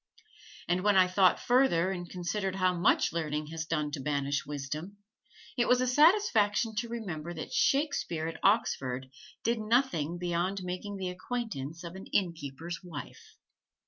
And when I thought further and considered how much learning has done to banish wisdom, it was a satisfaction to remember that Shakespeare at Oxford did nothing beyond making the acquaintance of an inn keeper's wife.